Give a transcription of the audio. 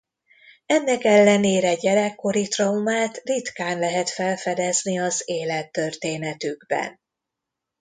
Ennek ellenére gyerekkori traumát ritkán lehet felfedezni az élettörténetükben.